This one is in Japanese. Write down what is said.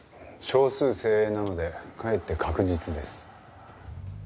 少数精鋭なのでかえって確実です。